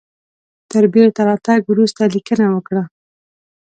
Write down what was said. تر بیرته راتګ وروسته لیکنه وکړه.